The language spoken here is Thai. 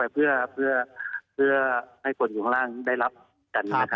เพื่อให้คนอยู่ข้างล่างได้รับกัน